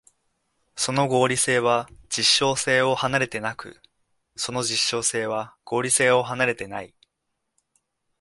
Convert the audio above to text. その合理性は実証性を離れてなく、その実証性は合理性を離れてない。